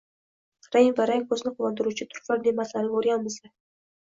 rang-barang – ko‘zni quvontiruvchi turfa ne’matlarni ko‘rganimizda